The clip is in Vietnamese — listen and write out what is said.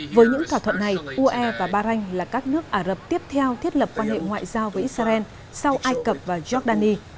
với những thỏa thuận này uae và bahrain là các nước ả rập tiếp theo thiết lập quan hệ ngoại giao với israel sau ai cập và giordani